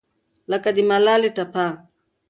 لکه د ملالې ټپه